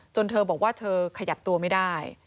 เธอบอกว่าเธอขยับตัวไม่ได้